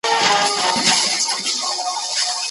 د بلاک خلک اوس زموږ د کورنۍ په اړه خبرې کوي.